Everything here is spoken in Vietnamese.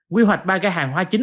quy hoạch ba gà hàng hóa chính